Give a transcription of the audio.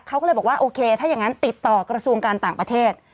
เขาก็เลยบอกว่าโอเคถ้าอย่างนั้นติดต่อกระทรวงการต่างประเทศ